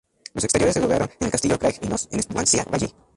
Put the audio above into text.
Los exteriores se rodaron en el castillo Craig-y-Nos, en Swansea Valley.